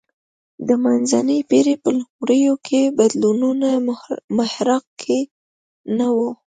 د منځنۍ پېړۍ په لومړیو کې بدلونونو محراق کې نه و